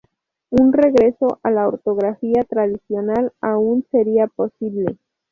Un regreso a la ortografía tradicional aún sería posible.